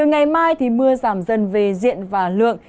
từ ngày mai thì mưa giảm dần về diện và lượng